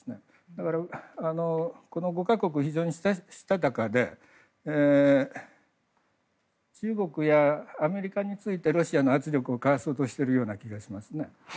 だから、この５か国は非常にしたたかで中国やアメリカについてロシアの圧力をかわそうとしているような気がしますね。